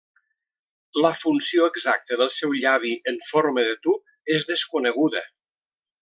La funció exacta del seu llavi en forma de tub és desconeguda.